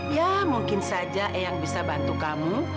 ya mungkin saja eyang bisa bantu kamu